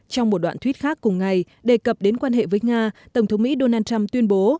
trong một đoạn thuyết khác cùng ngày đề cập đến quan hệ với nga tổng thống mỹ donald trump tuyên bố